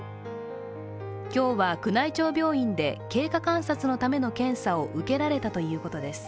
今日は宮内庁病院で経過観察のための検査を受けられたということです。